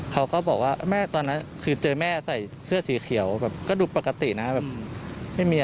เขาตอบว่ะตอนนั้นคือเจอแม่ใส่เสื้อสีเขียวก็ดูปกตินะไม่มี